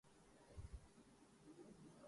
وہ نا گزیر ہے